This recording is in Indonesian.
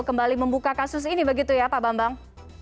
kembali membuka kasus ini begitu ya pak bambang